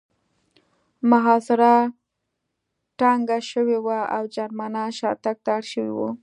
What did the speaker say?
محاصره تنګه شوې وه او جرمنان شاتګ ته اړ شوي وو